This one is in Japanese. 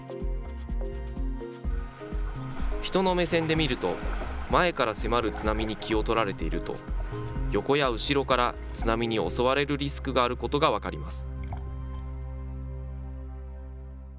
人の目線で見ると、前から迫る津波に気を取られていると、横や後ろから津波に襲われるリスクがあることが分かります。